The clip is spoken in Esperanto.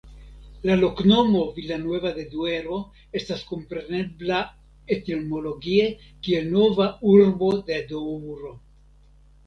La loknomo "Villanueva de Duero" estas komprenebla etimologie kiel Nova Urbo de Doŭro.